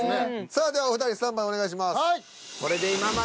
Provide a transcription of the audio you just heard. さあではお二人スタンバイお願いします。